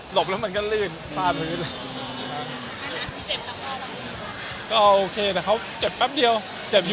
หลบแล้วมันก็ลื่นข้าดพื้น